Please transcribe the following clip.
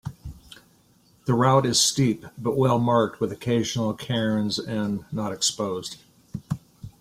The route is steep, but well marked with occasional cairns and not exposed.